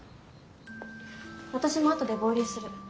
私もあとで合流する。